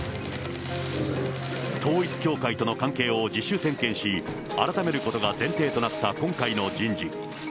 統一教会との関係を自主点検し、改めることが前提となった今回の人事。